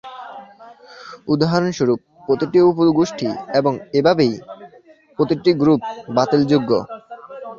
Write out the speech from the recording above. উদাহরণস্বরূপ, প্রতিটি উপগোষ্ঠী, এবং এইভাবে প্রতিটি গ্রুপ, বাতিলযোগ্য।